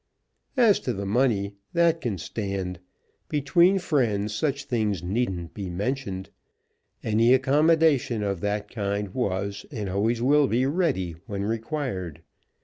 As to the money that can stand. Between friends such things needn't be mentioned. Any accommodation of that kind was and always will be ready when required.